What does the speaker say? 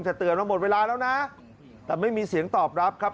แต่เตือนว่าหมดเวลาแล้วนะแต่ไม่มีเสียงตอบรับครับ